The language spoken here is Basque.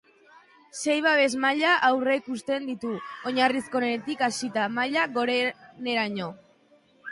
Sei babes-maila aurreikusten ditu, oinarrizkoenetik hasita maila goreneraino.